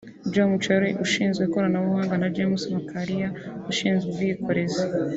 Joe Mucheru ushinzwe ikoranabuhanga na James Macharia ushinzwe ubwikorezi